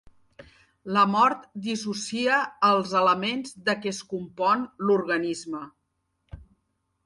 La mort dissocia els elements de què es compon l'organisme.